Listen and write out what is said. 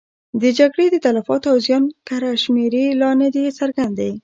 د جګړې د تلفاتو او زیان کره شمېرې لا نه دي څرګندې.